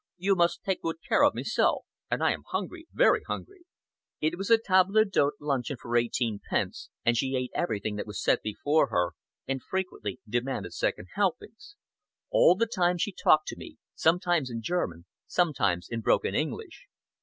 "You must take good care of me so! And I am hungry very hungry!" It was a table d'hôte luncheon for eighteen pence, and she ate everything that was set before her, and frequently demanded second helpings. All the time she talked to me, sometimes in German, sometimes in broken English.